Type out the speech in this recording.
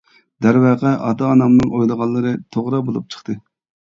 دەرۋەقە ئاتا-ئانامنىڭ ئويلىغانلىرى توغرا بولۇپ چىقتى.